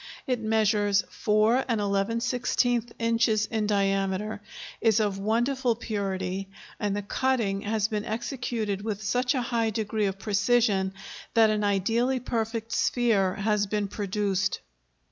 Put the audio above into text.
It measures 4 11/16 inches in diameter, is of wonderful purity, and the cutting has been executed with such a high degree of precision that an ideally perfect sphere has been produced.